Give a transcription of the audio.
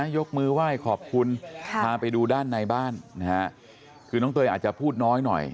ยกมือไหว้ขอบคุณพาไปดูด้านในบ้านนะฮะคือน้องเตยอาจจะพูดน้อยหน่อย